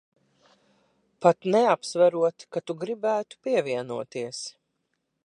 Pat neapsverot, ka tu gribētu pievienoties.